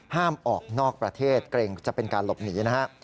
ห้ามออกนอกประเทศเกรงจะเป็นการหลบหนีนะฮะ